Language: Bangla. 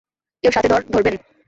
কেউ সাতে দর ধরবেন?